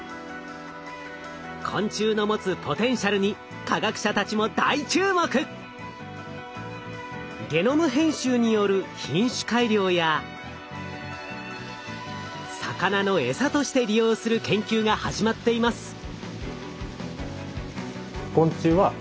昆虫の持つポテンシャルに科学者たちもゲノム編集による品種改良や魚のエサとして利用する研究が始まっています。